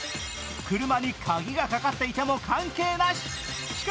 車に鍵がかかっていても関係なし。